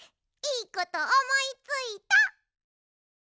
いいことおもいついた！